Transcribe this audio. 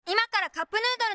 カップヌードル